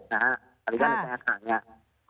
อนุญาตในสหกคัก